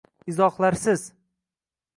Izohlarsiz